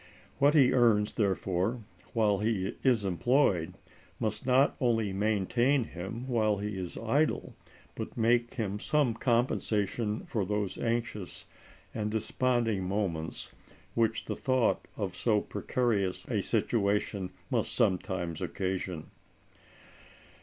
What he earns, therefore, while he is employed, must not only maintain him while he is idle, but make him some compensation for those anxious and desponding moments which the thought of so precarious a situation must sometimes occasion."